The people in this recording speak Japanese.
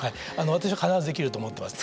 私は必ずできると思っています。